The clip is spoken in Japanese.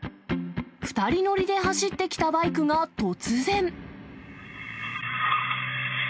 ２人乗りで走ってきたバイクが突然。